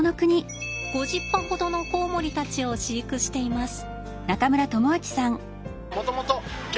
５０羽ほどのコウモリたちを飼育しています。